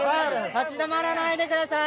立ち止まらないでください！